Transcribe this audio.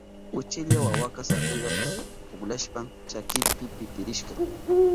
Uchilla wawaka sabliwa pukllashpan chakinpi pitirishka.